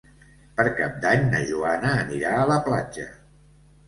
Per Cap d'Any na Joana anirà a la platja.